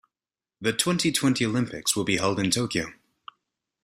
The twenty-twenty Olympics will be held in Tokyo.